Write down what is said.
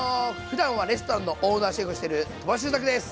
ふだんはレストランのオーナーシェフをしてる鳥羽周作です。